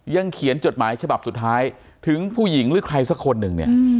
เขียนจดหมายฉบับสุดท้ายถึงผู้หญิงหรือใครสักคนหนึ่งเนี่ย